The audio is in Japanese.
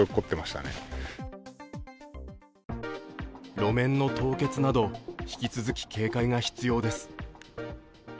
路面の凍結など引き続き警戒が必要です。